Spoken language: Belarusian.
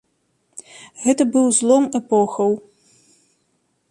Гэта быў злом эпохаў.